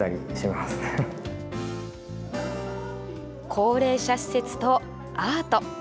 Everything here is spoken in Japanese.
高齢者施設とアート。